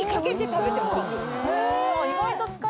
へぇ。